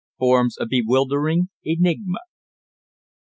FORMS A BEWILDERING ENIGMA.